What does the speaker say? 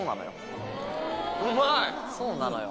そうなのよ。